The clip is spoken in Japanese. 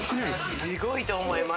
すごいと思います。